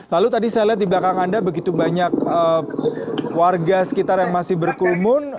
lalu tadi saya lihat di belakang anda begitu banyak warga sekitar yang masih berkerumun